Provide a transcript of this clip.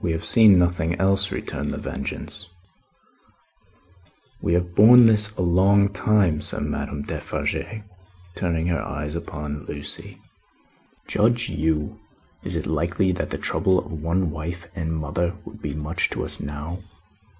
"We have seen nothing else," returned The Vengeance. "We have borne this a long time," said Madame Defarge, turning her eyes again upon Lucie. "Judge you! Is it likely that the trouble of one wife and mother would be much to us now?"